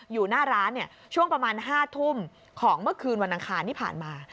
อยู่หน้าร้านช่วงประมาณ๕ทุ่มของเมื่อคืนวันอังคารที่ผ่านมา